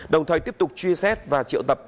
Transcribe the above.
đồng thời tiếp tục truy xét và triệu tập